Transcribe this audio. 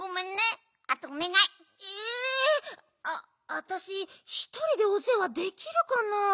わたしひとりでおせわできるかな？